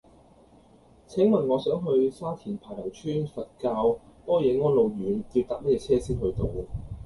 請問我想去沙田排頭村佛教般若安老院要搭乜嘢車先去到